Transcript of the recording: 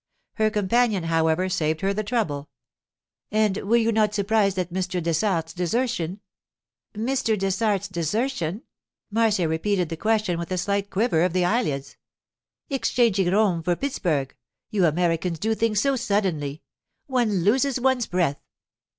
Her companion, however, saved her the trouble. 'And were you not surprised at Mr. Dessart's desertion?' 'Mr. Dessart's desertion?' Marcia repeated the question with a slight quiver of the eyelids. 'Exchanging Rome for Pittsburg. You Americans do things so suddenly! One loses one's breath.